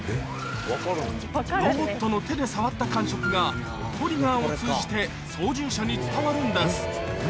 ロボットの手で触った感触がトリガーを通じて操縦者に伝わるんです